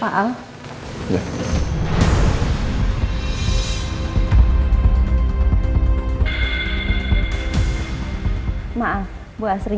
maaf buat seringnya lo nge subscribe